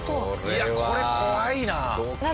いやこれ怖いな。